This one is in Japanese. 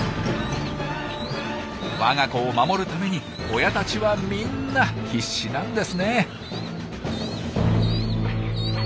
わが子を守るために親たちはみんな必死なんですね。